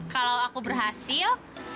kalau aku berhasil